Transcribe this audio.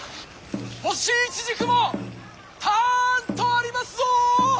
干しイチジクもたんとありますぞ！